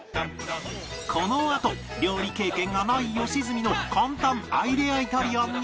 このあと料理経験がない良純の簡単アイデアイタリアンに